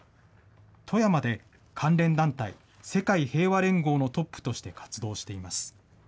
富山で関連団体、世界平和連合のトップとして活動しています。